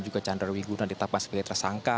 juga candar wigunan ditapas sebagai tersangka